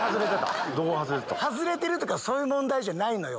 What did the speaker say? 外れてるとかそういう問題じゃないのよ！